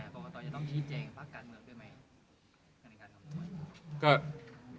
กรรมการคัดตอนจะต้องชี้เจงภาคการเมืองได้ไหม